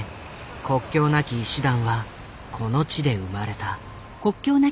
国境なき医師団はこの地で生まれた。